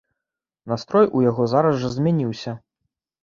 Настрой у яго зараз жа змяніўся.